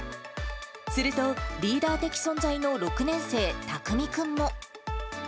すると、リーダー的存在の６年生、たくみくんも。